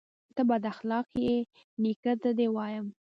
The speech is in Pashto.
_ته بد اخلاقه يې، نيکه ته دې وايم.